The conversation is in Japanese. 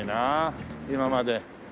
今まで。